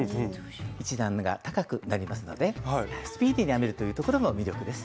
１段の目が高くなりますのでスピーディーに編めるというところも魅力です。